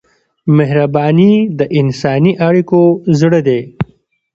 مهرباني د انساني اړیکو زړه دی.